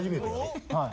はい。